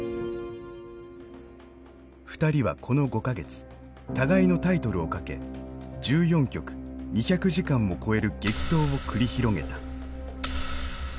２人はこの５か月互いのタイトルをかけ１４局２００時間を超える激闘を繰り広げた。